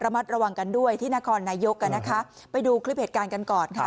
มัดระวังกันด้วยที่นครนายกอ่ะนะคะไปดูคลิปเหตุการณ์กันก่อนค่ะ